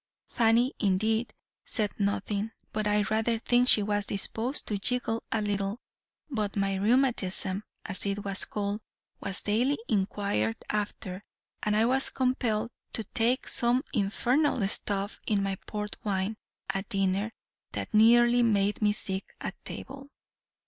Fanny indeed, said nothing; but I rather think she was disposed to giggle a little; but my rheumatism, as it was called, was daily inquired after, and I was compelled to take some infernal stuff in my port wine, at dinner, that nearly made me sick at table.